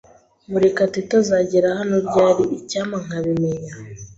"Murekatete azagera hano ryari?" "Icyampa nkabimenya."